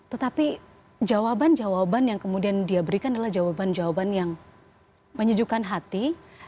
tetapi jawaban jawaban yang kemudian dia berikan adalah jawaban jawaban yang menyejukkan hati